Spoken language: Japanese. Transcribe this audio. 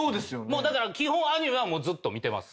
だから基本アニメはずっと見てます。